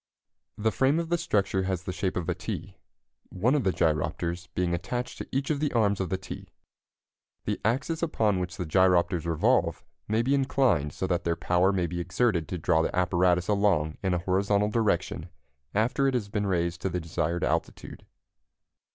The frame of the structure has the shape of a T, one of the gyropters being attached to each of the arms of the T. The axes upon which the gyropters revolve may be inclined so that their power may be exerted to draw the apparatus along in a horizontal direction after it has been raised to the desired altitude.